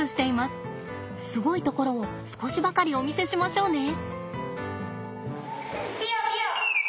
すごいところを少しばかりお見せしましょうね。